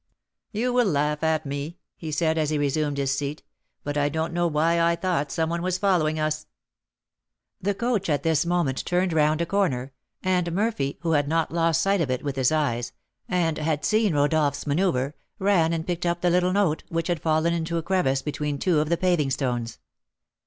"You will laugh at me," he said, as he resumed his seat, "but I don't know why I thought some one was following us." The coach at this moment turned round a corner, and Murphy, who had not lost sight of it with his eyes, and had seen Rodolph's manoeuvre, ran and picked up the little note, which had fallen into a crevice between two of the paving stones.